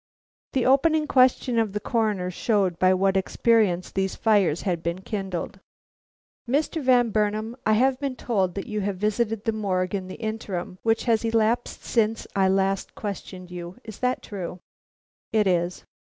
The opening question of the Coroner showed by what experience these fires had been kindled. "Mr. Van Burnam, I have been told that you have visited the Morgue in the interim which has elapsed since I last questioned you. Is that true?" "It is."